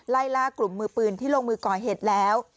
ไล่ล่ากลุ่มมือปืนที่ลงมือก่อเหตุแล้ว